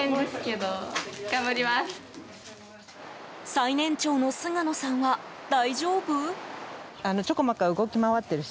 最年長の菅野さんは大丈夫？